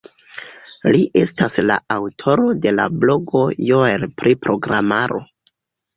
Li estas la aŭtoro de la blogo "Joel pri Programaro".